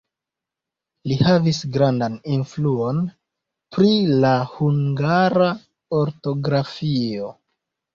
Li havis grandan influon pri la hungara ortografio.